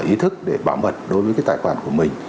ý thức để bảo mật đối với cái tài khoản của mình